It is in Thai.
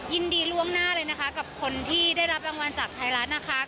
ยินดีล่วงหน้าเลยนะคะกับคนที่ได้รับรางวัลจากไทยรัฐนะคะ